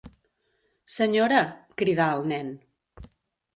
"Senyora", cridà el nen.